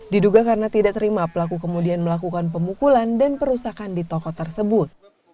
diduga karena tidak terima pelaku kemudian melakukan pemukulan dan perusakan di toko tersebut